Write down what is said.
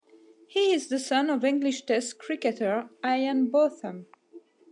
He is the son of English Test cricketer Ian Botham.